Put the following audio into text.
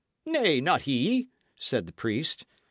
Nay, not he," said the priest.